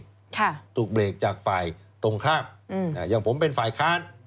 ค่ะถูกเบรกจากฝ่ายตรงข้ามอืมอ่าอย่างผมเป็นฝ่ายค้าน